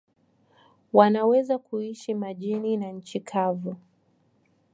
Wanaweza kuishi majini na nchi kavu.